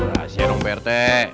rahasia dong pak rt